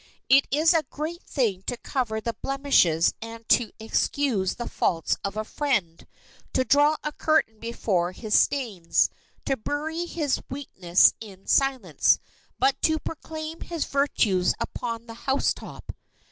It is a great thing to cover the blemishes and to excuse the faults of a friend; to draw a curtain before his stains; to bury his weakness in silence, but to proclaim his virtues upon the housetop.